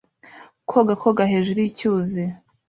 koga koga hejuru yicyuzi